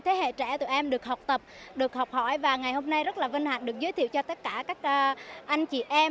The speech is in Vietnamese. thế hệ trẻ tụi em được học tập được học hỏi và ngày hôm nay rất là vinh hạnh được giới thiệu cho tất cả các anh chị em